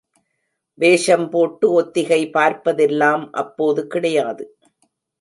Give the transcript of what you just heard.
வேஷம் போட்டு ஒத்திகை பார்ப்பதெல்லாம் அப்போது கிடையாது.